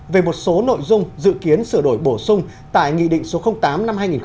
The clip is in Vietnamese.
về một số nội dung dự kiến sửa đổi bổ sung tại nghị định số tám năm hai nghìn một mươi chín